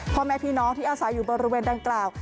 พ่อแม่พี่น้องที่อาศัยอยู่บริเวณดังกล่าว